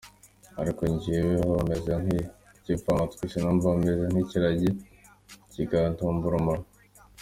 Ariko jyeweho meze nk’igipfamatwi sinumva, Meze nk’ikiragi kitabumbura umunwa.